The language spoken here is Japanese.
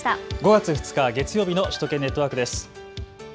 ５月２日月曜日の首都圏ネットワークです。